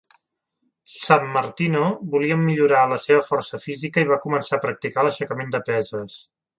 Sammartino volia millorar la seva força física i va començar a practicar l"aixecament de peses.